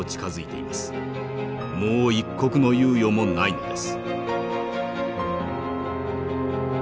もう一刻の猶予もないのです」。